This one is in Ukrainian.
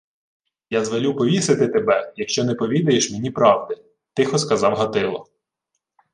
— Я звелю повісити тебе, якщо не повідаєш мені правди, — тихо сказав Гатило.